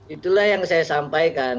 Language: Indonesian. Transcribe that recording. itulah yang saya sampaikan